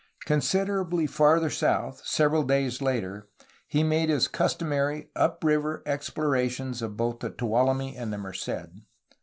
Considerably farther south, several days later, he made his customary up river explorations of both the Tuolumne and Merced.